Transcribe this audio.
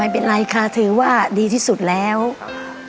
ไม่เป็นไรค่ะถือว่าดีที่สุดแล้วครับ